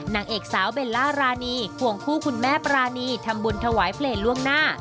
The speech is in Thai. นางเอกสาวเบลล่ารานีควงคู่คุณแม่ปรานีทำบุญถวายเพลงล่วงหน้า